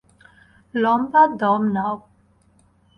লম্বা দম নাও।